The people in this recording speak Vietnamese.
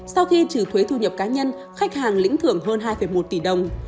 sau khi trừ thuế thu nhập cá nhân khách hàng lĩnh thưởng hơn hai một tỷ đồng